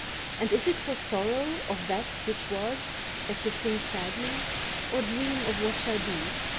and is it for sorrow of that which was That ye sing sadly, or dream of what shall be?